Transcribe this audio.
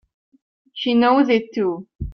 She knows it too!